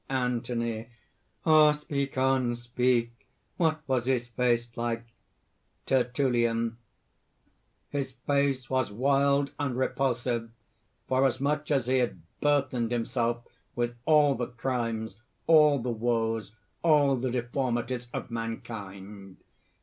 ANTHONY. "Ah, speak on, speak! What was his face like?" TERTULLIAN. "His face was wild and repulsive; forasmuch as he had burthened himself with all the crimes, all the woes, all the deformities of mankind."